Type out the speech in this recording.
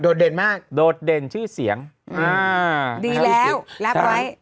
เด่นมากโดดเด่นชื่อเสียงอ่าดีแล้วรับไว้